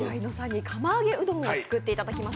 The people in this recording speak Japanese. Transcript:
釜揚げうどんを作っていただきます。